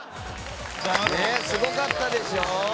ねっすごかったでしょ。